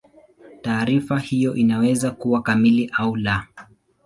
Taarifa hiyo inaweza kuwa kamili au la.